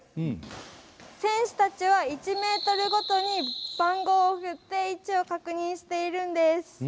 選手たちは１ｍごとに番号を振って位置を確認しているんです。